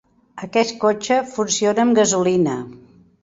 Aquest cotxe funciona amb gasolina.